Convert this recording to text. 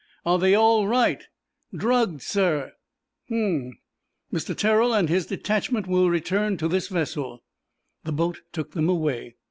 "Are they all right?" "Drugged, sir." "Hm! Mr. Terrell and his detachment will return to this vessel." The boat took them away.